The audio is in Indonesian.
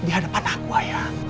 di hadapan aku ayah